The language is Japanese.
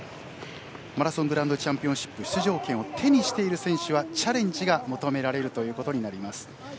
マラソングランドチャンピオンシップ出場権を手にしている選手はチャレンジが求められるということになります。